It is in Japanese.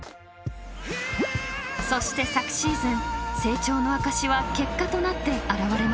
［そして昨シーズン成長の証しは結果となって現れました］